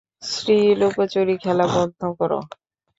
শ্রী, লুকোচুরি খেলা বন্ধ করো।